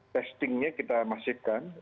testingnya kita masihkan